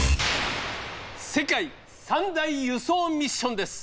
「世界三大輸送ミッション」です。